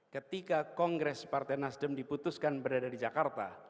ketika kongres partai nasdem diputuskan berada di jakarta